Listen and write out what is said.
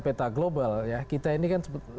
peta global ya kita ini kan